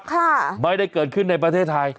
ค่ะไม่ได้เกิดขึ้นในประเทศไทย